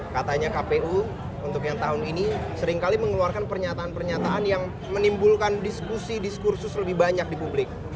katanya kpu untuk yang tahun ini seringkali mengeluarkan pernyataan pernyataan yang menimbulkan diskusi diskursus lebih banyak di publik